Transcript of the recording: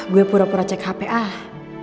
gue pura pura cek hp ah